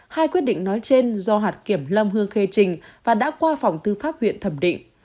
hai quyết định nói trên do hạt kiểm lâm hương khê trình và đã qua phòng tư pháp huyện thẩm định